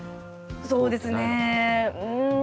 そうですねうん。